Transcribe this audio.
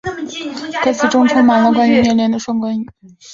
歌词中充满了关于虐恋的双关语。